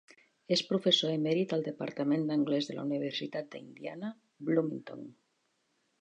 És professor emèrit al departament d"anglès de la Universitat d"Indiana, Bloomington.